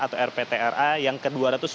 atau rptra yang ke dua ratus sembilan puluh tiga